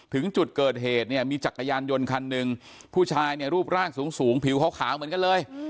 ถึงจุดเกิดเหตุมีจักรยานยนต์คันหนึ่งผู้ชายรูปร่างสูงผิวเขาขาวเหมือนกันเลย